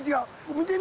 見てみ？